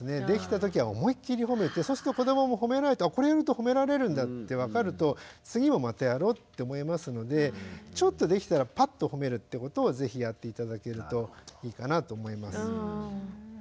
できた時は思い切りほめてそうすると子どももほめられると「あこれやるとほめられるんだ」って分かると「次もまたやろう」って思いますのでちょっとできたらパッとほめるってことを是非やって頂けるといいかなと思います。